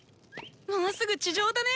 もうすぐ地上だね。